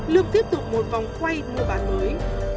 lương tiếp tục một vòng quay mua bán mới